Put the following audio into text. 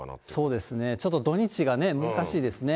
そうですね、ちょっと土日が難しいですね。